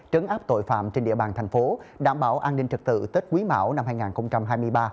trấn áp tội phạm trên địa bàn thành phố đảm bảo an ninh trật tự tết quý mão năm hai nghìn hai mươi ba